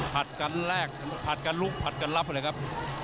กันแรกผัดกันลุกผัดกันรับเลยครับ